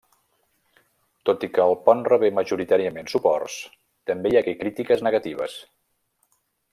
Tot i que el pont rebé majoritàriament suports, també hi hagué crítiques negatives.